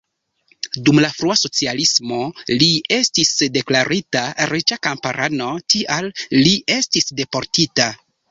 Dum la frua socialismo li estis deklarita riĉa kamparano, tial li estis deportita.